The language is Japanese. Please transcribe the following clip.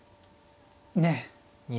ねえ。